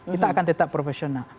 kita akan tetap profesional